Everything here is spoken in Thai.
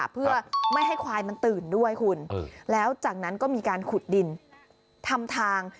เพื่อไม่ให้ควายมันตื่นด้วยคุณแล้วจากนั้นก็มีการขุดดินทำทาง